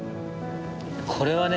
これはね